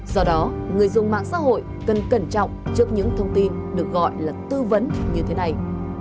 do đó người dùng mạng xã hội cần cẩn trọng trước những thông tin được gọi là tuyển sinh